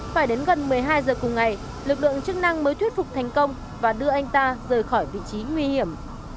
phải đến gần một mươi hai giờ cùng ngày lực lượng chức năng mới thuyết phục thành công và đưa anh ta rời khỏi vị trí nguy hiểm